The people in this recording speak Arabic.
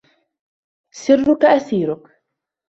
سرك أسيرك